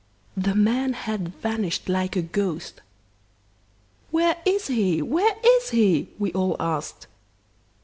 The man had vanished like a ghost. 'Where is he where is he?' we all asked.